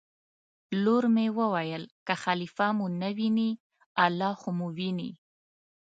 لور یې وویل: که خلیفه مو نه ویني الله خو مو ویني.